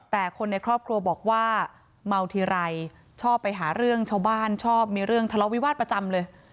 แต่คนในครอบครัวบอกว่าเมาทีไรชอบไปหาเรื่องชาวบ้านชอบมีเรื่องทะเลาวิวาสประจำเลย